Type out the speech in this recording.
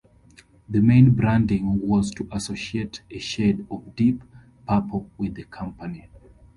The main branding was to associate a shade of deep purple with the company.